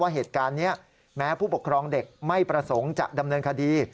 เหตุการณ์นี้แม้ผู้ปกครองเด็กไม่ประสงค์จะดำเนินคดี